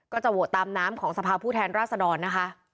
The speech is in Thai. ก็จะโหวตตามน้ำของสภาพผู้แทนราษดรนะคะ